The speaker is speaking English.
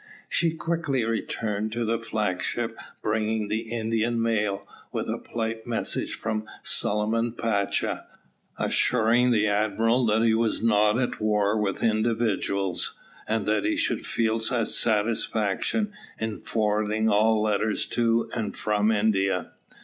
She quickly returned to the flag ship bringing the Indian mail, with a polite message from Suliman Pacha, assuring the admiral that he was not at war with individuals, and that he should feel a satisfaction in forwarding all letters to and from India.